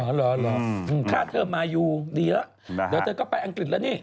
หรอค่ะเธอมาอยู่ดีละเดี๋ยวเธอก็ไปอังกฤษแล้วนี่